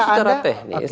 kita itu secara teknis